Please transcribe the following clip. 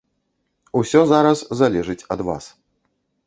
Усё зараз залежыць ад вас.